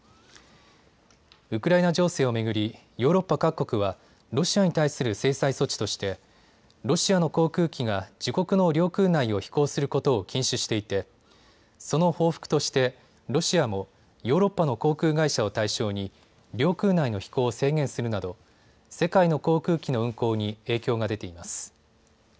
ウクライナ情勢を巡り、ヨーロッパ各国はロシアに対する制裁措置としてロシアの航空機が自国の領空内を飛行することを禁止していてその報復としてロシアもヨーロッパの航空会社を対象に領空内の飛行を制限するなど世界の航空機の運航に影響が出ています。